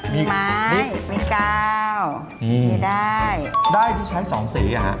มีไม้มีกาวนี่ได้ได้ที่ชั้นสองสีอ่ะฮะ